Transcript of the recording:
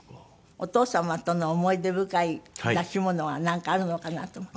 お父様との思い出深い出し物はなんかあるのかなと思って。